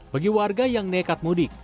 bagi warga yang nekat mudik